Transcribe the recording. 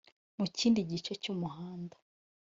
mu kindi gice cy’umuhanda